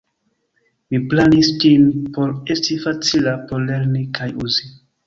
Mi planis ĝin por esti facila por lerni kaj uzi.